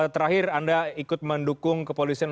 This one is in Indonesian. terakhir anda ikut mendukung kepolisian